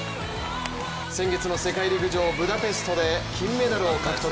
先月の世界陸上ブダペストで金メダルを獲得。